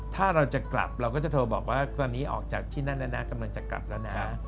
ถ้าเราจะกลับเราก็จะโทรบอกว่าตอนนี้ออกจากที่นั่นแล้วนะกำลังจะกลับแล้วนะ